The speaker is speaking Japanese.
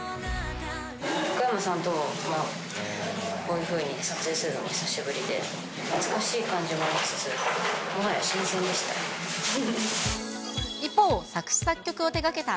福山さんと、こういうふうに撮影するのも久しぶりで、懐かしい感じもありつつ、もはや新鮮でした。